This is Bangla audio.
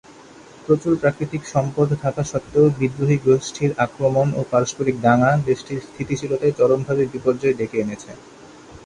প্রচুর প্রাকৃতিক সম্পদ থাকা সত্ত্বেও বিদ্রোহী গোষ্ঠীর আক্রমণ ও পারস্পরিক দাঙ্গা দেশটির স্থিতিশীলতায় চরমভাবে বিপর্যয় ডেকে এনেছে।